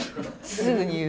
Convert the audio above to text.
すぐに言う。